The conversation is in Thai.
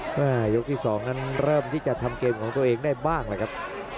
เมื่อยกที่๒นั้นเริ่มที่จะทำเกมของตัวเองได้บ้างแหละครับ